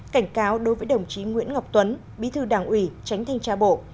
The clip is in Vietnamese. cảnh cáo đối với đồng chí nguyễn ngọc tuấn bí thư đảng ủy tránh thanh tra bộ